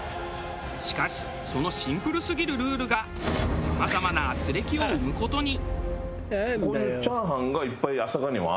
しかしそのシンプルすぎるルールがさまざまな軋轢を生む事に。